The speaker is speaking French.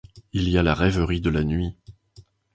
Il y a la rêverie de la nuit.